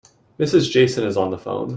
Mrs. Jason is on the phone.